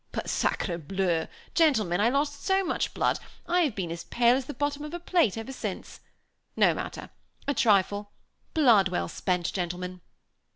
But, sacrebleu! gentlemen, I lost so much blood, I have been as pale as the bottom of a plate ever since. No matter. A trifle. Blood well spent, gentlemen."